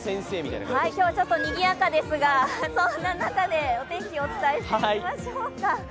ちょっとにぎやかですが、そんな中でお天気をお伝えしていきましょうか。